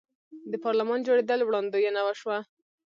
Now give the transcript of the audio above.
د پارلمان جوړیدل وړاندوینه وشوه.